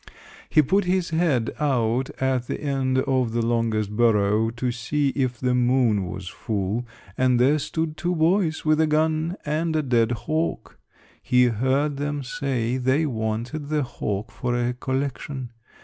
He put his head out at the end of the longest burrow to see if the moon was full and there stood two boys with a gun and a dead hawk. He heard them say they wanted the hawk for a 'collection.'